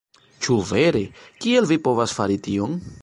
"Ĉu vere? Kiel vi povas fari tion?"